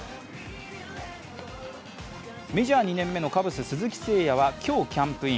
メジャー２年目のカブス・鈴木誠也は今日、キャンプイン。